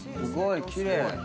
「すごいきれい！」